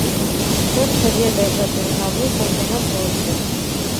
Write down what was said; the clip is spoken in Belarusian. Сэрца ведае гэтую навуку, яна простая.